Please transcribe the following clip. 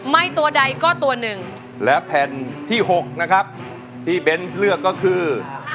ตัวใดก็ตัวหนึ่งและแผ่นที่๖นะครับที่เบนส์เลือกก็คือ